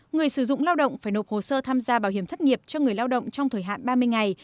người sử dụng lao động phải nộp hồ sơ tham gia bảo hiểm thất nghiệp cho người lao động trong thời hạn ba mươi ngày